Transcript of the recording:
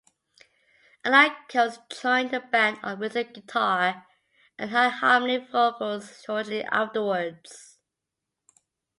Alan Coates joined the band on rhythm guitar and high harmony vocals shortly afterwards.